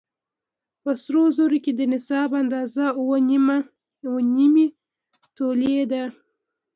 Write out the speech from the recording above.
په سرو زرو کې د نصاب اندازه اووه نيمې تولې ده